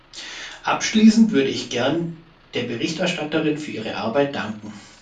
Abschließend würde ich gern der Berichterstatterin für ihre Arbeit danken.